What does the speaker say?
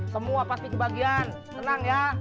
semua pasti kebahagiaan